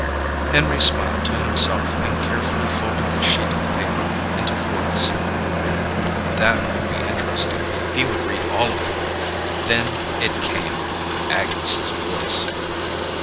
Henry smiled to himself and carefully folded the sheet of paper into fourths. That would be interesting, he would read all of it. Then it came, Agnes' voice.